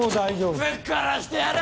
ぶっ殺してやる！